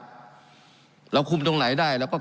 การปรับปรุงทางพื้นฐานสนามบิน